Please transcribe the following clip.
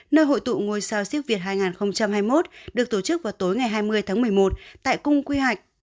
nơi hội tụ ngôi sao siếc việt hai nghìn hai mươi một được tổ chức vào tối ngày hai mươi tháng một mươi một tại cung quy hoạch